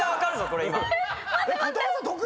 これ今。